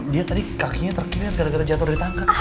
dia tadi kakinya terkirat gara gara jatuh dari tangka